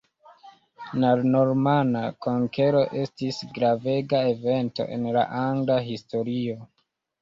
La normana konkero estis gravega evento en la angla historio.